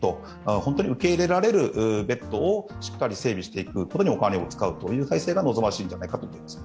本当に受け入れられるベッドをしっかり整備していくことにお金を使うのが望ましいんじゃないかと思います。